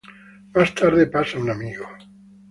Más tarde pasa un amigo.